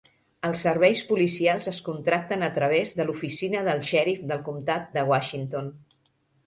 Els serveis policials es contracten a través de l'oficina del xèrif del comtat de Washington.